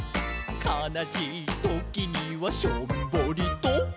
「かなしいときにはしょんぼりと」